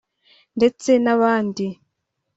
ndetse n’abandi